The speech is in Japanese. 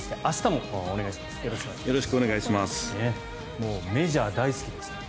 もうメジャー大好きですから。